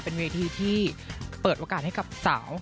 เป็นเวทีที่เปิดโอกาสให้กับสาว